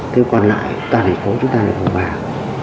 thế còn lại toàn thành phố chúng ta lại không vào